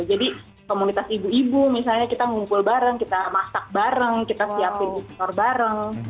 jadi komunitas ibu ibu misalnya kita ngumpul bareng kita masak bareng kita siapin easter bareng